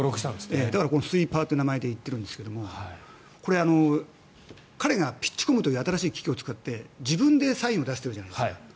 だから、このスイーパーという名前でいっているんですがこれは彼がピッチコムという新しい機器を使って自分でサインを出してるじゃないですか。